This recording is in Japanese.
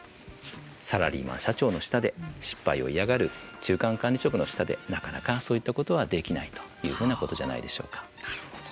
サラリーマン社長の下で失敗を嫌がる中間管理職の下でなかなか、そういったことはできないというふうなことなるほど。